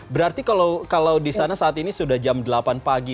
berarti kalau disana saat ini sudah jam delapan pagi